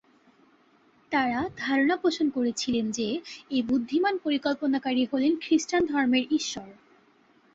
তারা ধারণা পোষণ করেছিলেন যে, এই বুদ্ধিমান পরিকল্পনাকারী হলেন খ্রিস্টান ধর্মের ঈশ্বর।